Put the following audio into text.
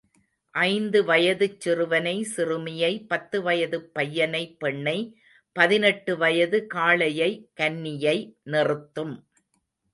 ஐந்து வயதுச் சிறுவனை, சிறுமியை பத்து வயதுப் பையனை பெண்ணை, பதினெட்டு வயது காளையை கன்னியை நிறுத்தும்.